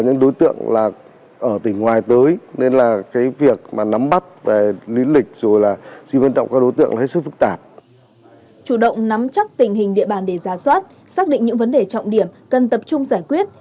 chủ động nắm chắc tình hình địa bàn để ra soát xác định những vấn đề trọng điểm cần tập trung giải quyết